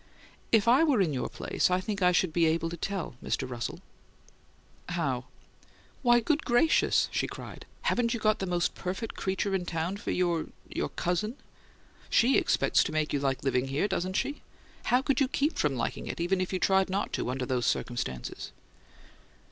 "If I were in your place I think I should be able to tell, Mr. Russell." "How?" "Why, good gracious!" she cried. "Haven't you got the most perfect creature in town for your your cousin? SHE expects to make you like living here, doesn't she? How could you keep from liking it, even if you tried not to, under the circumstances?"